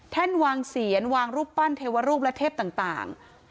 วางเสียนวางรูปปั้นเทวรูปและเทพต่าง